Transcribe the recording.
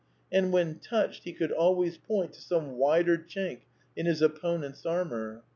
And when touched he could always point to some wider chink in his opponent's armour.